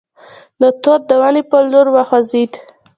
د توت د ونې په لور وخوځېد.